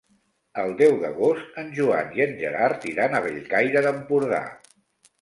El deu d'agost en Joan i en Gerard iran a Bellcaire d'Empordà.